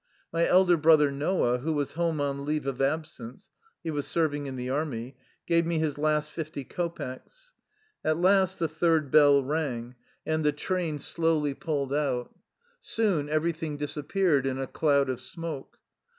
My elder brother Noah, who was home on leave of absence, — he was serving in the army — gave me his last fifty kopecks. At last the third bell rang, and the train 41 THE LIFE STOEY OF A RUSSIAN EXILE slowly pulled out. Soon everything disap peared in a cloud of smoke.